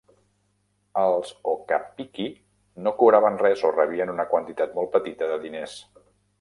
Els Okappiki no cobraven res o rebien una quantitat molt petita de diners.